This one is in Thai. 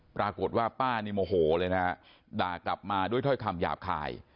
ปรากฏว่าป้านี่โมโหเลยนะด่ากลับมาด้วยถ้อยคำหยาบคาย